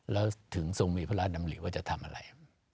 แล้วถึงทรงมีพระราชดำริว่าจะทำอะไร